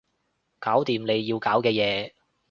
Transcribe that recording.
搞掂你要搞嘅嘢